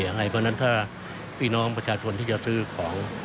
เพราะฉะนั้นถ้าพี่น้องประชาชนที่จะซื้อของ